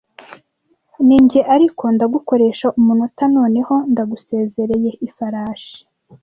Njye ariko ndagukoresha umunota, noneho ndagusezeye, ifarashi,